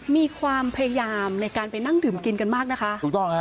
มีความพยายามในการไปนั่งดื่มกินกันมากนะคะ